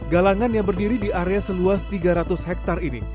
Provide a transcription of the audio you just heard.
galangan yang berdiri di area seluas tiga ratus hektare ini